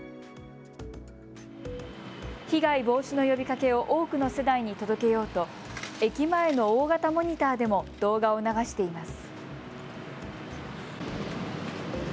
被害防止の呼びかけを多くの世代に届けようと駅前の大型モニターでも動画を流しています。